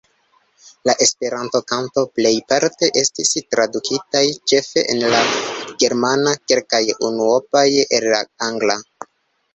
La Esperanto-kantoj plejparte estis tradukitaj; ĉefe el la germana, kelkaj unuopaj el la angla.